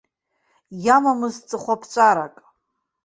Иамамызт ҵыхәаԥҵәарак.